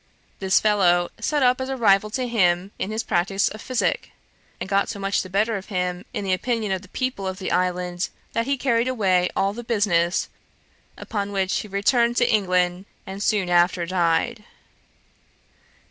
This fellow set up as a rival to him in his practice of physick, and got so much the better of him in the opinion of the people of the island that he carried away all the business, upon which he returned to England, and soon after died.'